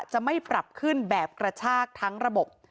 จะไม่ปรับขึ้นแบบกระชากทั้งระบบ